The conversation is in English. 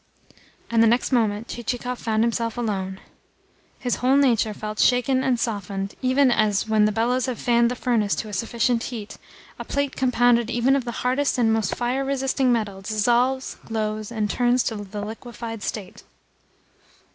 And the next moment Chichikov found himself alone. His whole nature felt shaken and softened, even as, when the bellows have fanned the furnace to a sufficient heat, a plate compounded even of the hardest and most fire resisting metal dissolves, glows, and turns to the liquefied state.